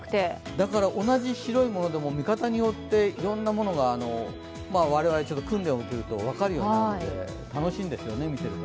だから同じ白いものでも見方によって、我々訓練をすると分かるようになるので楽しいんですよね、見ていると。